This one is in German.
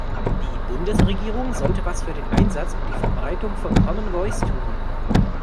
Die Bundesregierung sollte was für den Einsatz und die Verbreitung von Common Voice tun.